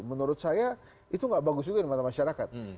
menurut saya itu nggak bagus juga di mata masyarakat